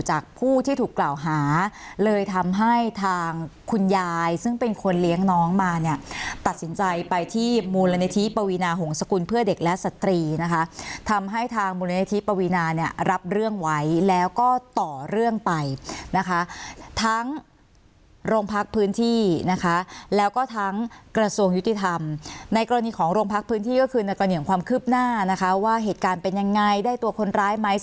จากผู้ที่ถูกกล่าวหาเลยทำให้ทางคุณยายซึ่งเป็นคนเลี้ยงน้องมาเนี่ยตัดสินใจไปที่มูลนิธิปวีนาหงษกุลเพื่อเด็กและสตรีนะคะทำให้ทางมูลนิธิปวีนาเนี่ยรับเรื่องไว้แล้วก็ต่อเรื่องไปนะคะทั้งโรงพักพื้นที่นะคะแล้วก็ทั้งกระทรวงยุติธรรมในกรณีของโรงพักพื้นที่ก็คือในกรณีของความคืบหน้านะคะว่าเหตุการณ์เป็นยังไงได้ตัวคนร้ายไหม